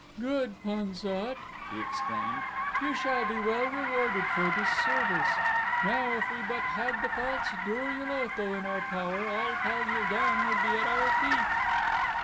"Good, Pan sat!" he exclaimed. "You shall be well rewarded for this service. Now, if we but had the false Dor ul Otho in our power all Pal ul don would be at our feet."